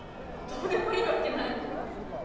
どうでもいいわけない。